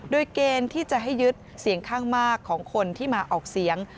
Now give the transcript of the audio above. โดยเกณฑ์ที่จะให้ยึดเสียงข้างมากของคนที่มาออกเสียง